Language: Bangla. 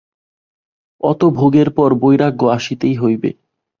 অত ভোগের পর বৈরাগ্য আসিতেই হইবে।